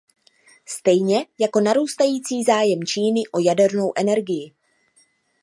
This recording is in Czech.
Stejně jako narůstající zájem Číny o jadernou energii.